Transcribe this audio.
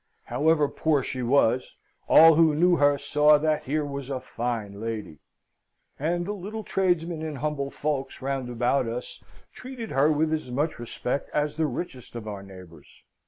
However poor she was, all who knew her saw that here was a fine lady; and the little tradesmen and humble folks round about us treated her with as much respect as the richest of our neighbours.